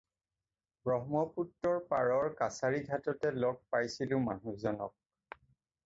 ব্ৰহ্মপুত্ৰৰ পাৰৰ কাছাৰীঘাটতে লগ পাইছিলোঁ মানুহজনক।